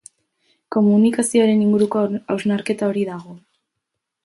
Komunikazioaren inguruko hausnarketa hori dago.